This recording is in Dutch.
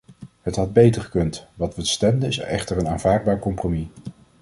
Het had beter gekund, wat we stemden is echter een aanvaardbaar compromis.